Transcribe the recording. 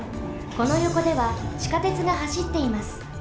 このよこではちかてつがはしっています。